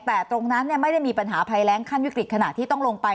แต่ตรงนั้นไม่ได้มีปัญหาภัยแรงขั้นวิกฤตขณะที่ต้องลงไป